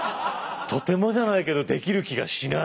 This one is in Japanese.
とてもじゃないけどできる気がしない！